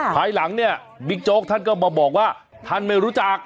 ภายหลังเนี่ยบิ๊กโจ๊กท่านก็มาบอกว่าท่านไม่รู้จัก